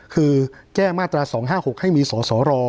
คือแก้มาตราสองห้าหกให้มีสอสอรอ